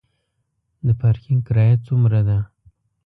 د پارکینګ کرایه څومره ده؟